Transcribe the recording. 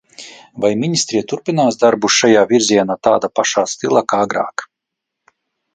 Vai ministrija turpinās darbu šajā virzienā tādā pašā stilā kā agrāk?